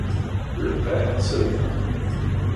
Le père se leva.